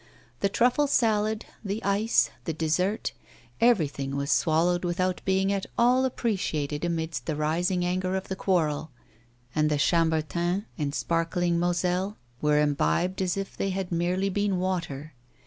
The truffle salad, the ice, the dessert, everything was swallowed without being at all appreciated amidst the rising anger of the quarrel; and the chambertin and sparkling moselle were imbibed as if they had merely been water.